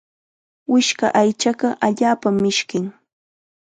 Wishka aychaqa allaapam mishkin.